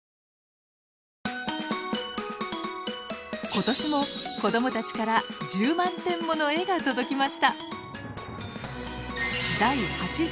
今年も子どもたちから１０万点もの絵が届きました！